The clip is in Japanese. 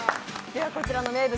こちらの名物！